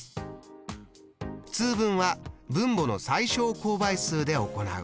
通分は分母の最小公倍数で行う。